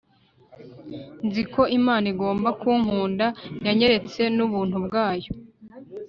Nzi ko Imana igomba kunkunda Yanyeretse nubuntu bwayo